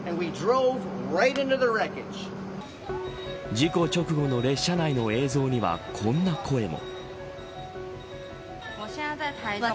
事故直後の列車内の映像にはこんな声も。